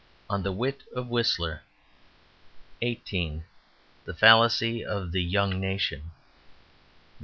On the Wit of Whistler 18. The Fallacy of the Young Nation 19.